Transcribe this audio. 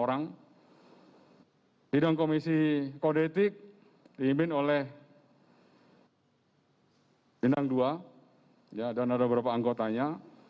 yang kedua sidang komisi kodetik diimpin oleh sindang dua dan ada beberapa anggotanya